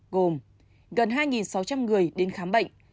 gồm gần hai sáu trăm linh người đến khám bệnh